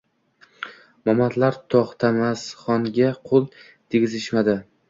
Momandlar To’masxonga qo’l tegizishmadi.